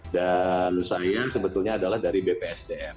dan usahanya sebetulnya adalah dari bpsdm